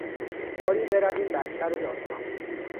باری برویم بر سر داستان.